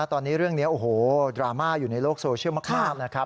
ตอนนี้เรื่องนี้โอ้โหดราม่าอยู่ในโลกโซเชียลมากนะครับ